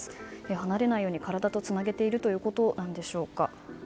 離れないように体とつなげているということなんでしょうか。